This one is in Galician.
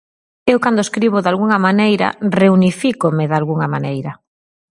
Eu cando escribo dalgunha maneira, reunifícome dalgunha maneira.